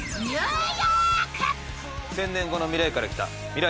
１０００年後の未来から来た未来人さ。